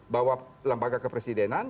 bahwa lembaga kepresidenan